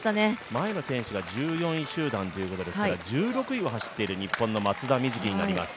前の選手が１４位集団ということですから、１６位を走っている日本の松田瑞生になります。